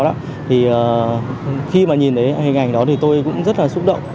thì khi mà nhìn thấy hình ảnh đó thì tôi cũng rất là xúc động